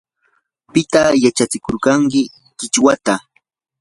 ¿pitaq yachatsishurqayki qichwata?